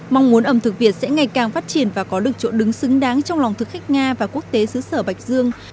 mong muốn ẩm thực việt sẽ ngày càng phát triển và có được chỗ đứng xứng đáng trong lòng thực khách nga và quốc tế xứ sở bạch dương